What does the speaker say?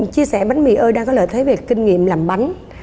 chia sẻ bánh mì ơi đang có lợi thế về kinh nghiệm làm bánh